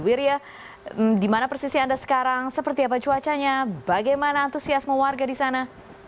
wirya di mana persisi anda sekarang seperti apa cuacanya bagaimana antusiasme warga di sana